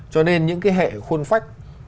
cho nên những cái hệ khôn phách